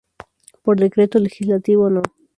Por Decreto Legislativo No.